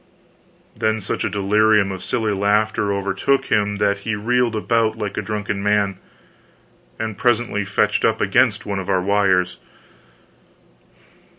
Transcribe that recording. Then such a delirium of silly laughter overtook him that he reeled about like a drunken man, and presently fetched up against one of our wires.